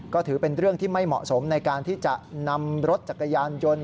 ก็ถือเป็นเรื่องที่ไม่เหมาะสมในการที่จะนำรถจักรยานยนต์